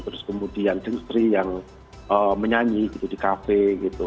terus kemudian deng sri yang menyanyi gitu di kafe gitu